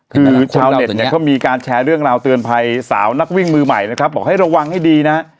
คือชาวเน็ตเนี่ยเขามีการแชร์เรื่องราวเตือนภัยสาวนักวิ่งมือใหม่นะครับบอกให้ระวังให้ดีนะฮะ